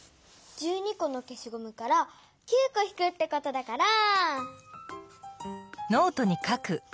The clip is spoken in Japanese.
このけしごむから９こひくってことだから。